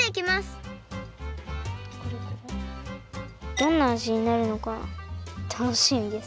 どんなあじになるのかたのしみです。